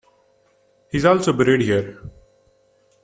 He is also buried here.